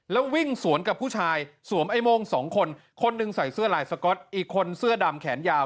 แล้ววิ่งสวนกับผู้ชายสวมไอ้โม่งสองคนคนหนึ่งใส่เสื้อลายสก๊อตอีกคนเสื้อดำแขนยาว